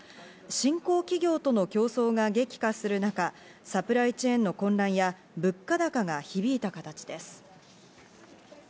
新興企業との競争が激化する中、サプライチェーンの混乱や物価高が響いた形です。